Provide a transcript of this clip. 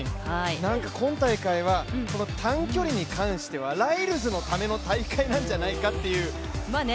なんか今大会は短距離に関してはライルズのための大会なんじゃないかという感じですね。